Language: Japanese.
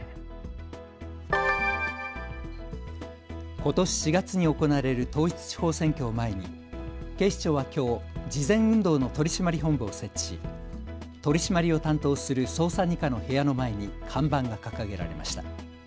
ことし４月に行われる統一地方選挙を前に警視庁はきょう事前運動の取締本部を設置し取締りを担当する捜査２課の部屋の前に看板が掲げられました。